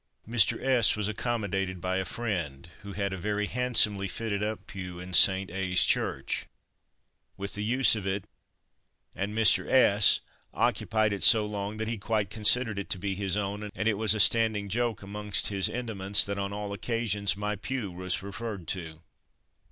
Mr. S was accommodated by a friend, who had a very handsomely fitted up pew in St. A 's Church, with the use of it, and Mr. S occupied it so long that he quite considered it to be his own; and it was a standing joke amongst his intimates that on all occasions "my pew" was referred to.